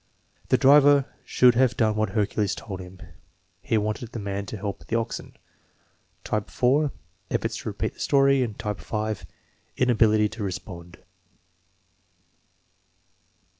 "The driver should have done what Hercules told him." "He wanted the man to help the oxen." Type (4) : Efforts to repeat the story. Type (5) : Inability to respond.